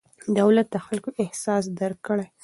دولت د خلکو احساس درک کړي.